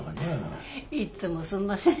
いつもすんません。